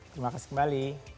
terima kasih kembali